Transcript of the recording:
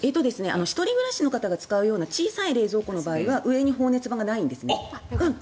１人暮らしの方が使うような小さい冷蔵庫の場合は上に放熱板がないんですね。